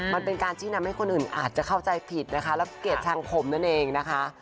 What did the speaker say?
มันเป็นการชี้นำให้คนอื่นอาจจะเข้าใจผิดนะคะและเกลียดชังผมนั่นเองนะคะ